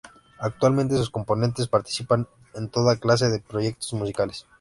Actualmente sus componentes participan en toda clase de proyectos musicales.